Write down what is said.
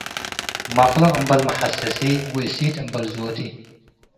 መቅሎ እምበል መሐሰሲ ወእሲት እምበል ዞቲ።